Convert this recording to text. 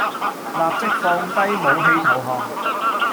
立即放低武器投降